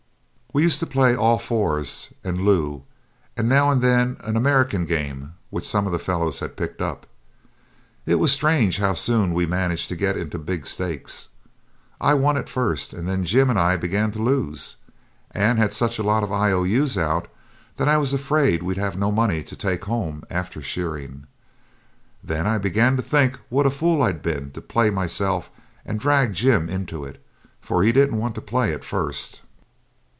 We used to play 'all fours' and 'loo', and now and then an American game which some of the fellows had picked up. It was strange how soon we managed to get into big stakes. I won at first, and then Jim and I began to lose, and had such a lot of I O U's out that I was afraid we'd have no money to take home after shearing. Then I began to think what a fool I'd been to play myself and drag Jim into it, for he didn't want to play at first.